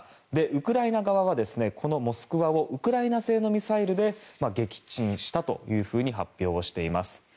ウクライナ側はこの「モスクワ」をウクライナ製のミサイルで撃沈したと発表しています。